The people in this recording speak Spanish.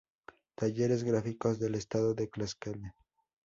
Talleres Gráficos del Estado de Tlaxcala.